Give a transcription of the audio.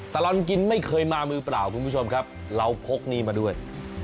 ตลอดกินไม่เคยมามือเปล่าคุณผู้ชมครับเราพกนี้มาด้วย